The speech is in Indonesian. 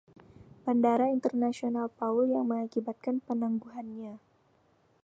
Bandara Internasional Paul, yang mengakibatkan penangguhannya.